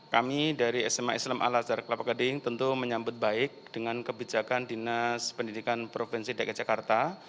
kami dari sma islam al azhar kelapa gading tentu menyambut baik dengan kebijakan dinas pendidikan provinsi dki jakarta